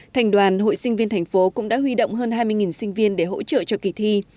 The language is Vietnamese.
thành đoàn hội sinh viên thành phố cũng đã huy động hơn hai mươi sinh viên để hỗ trợ cho kỳ thi